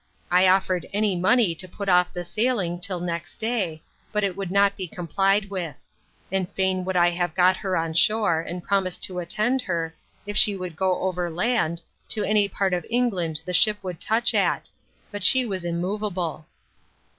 I offered any money to put off the sailing till next day, but it would not be complied with; and fain would I have got her on shore, and promised to attend her, if she would go over land, to any part of England the ship would touch at. But she was immovable.